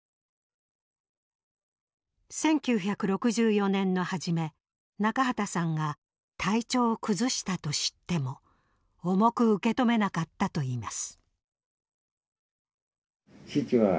１９６４年の初め中畠さんが体調を崩したと知っても重く受け止めなかったといいます。